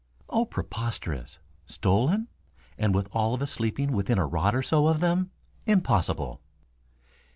"Oh, preposterous! Stolen? And with all of us sleeping within a rod or so of them? Impossible."